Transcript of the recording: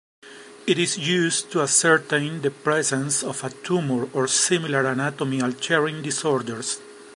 It is used to ascertain the presence of a tumour or similar anatomy-altering disorders.